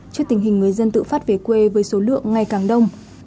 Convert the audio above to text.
trước tình hình người dân tự phát về cà mau bằng phương tiện xe máy